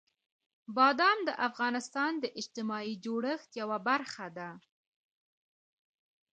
بادام د افغانستان د اجتماعي جوړښت یوه برخه ده.